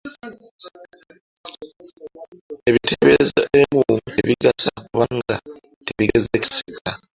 Ebiteeberezo ebimu tebigasa kubanga tebigezeseka.